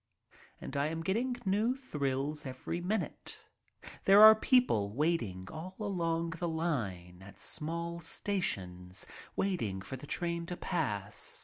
And I am getting new thrills every minute. There are people waiting all along the line, at small stations, waiting for the train to pass.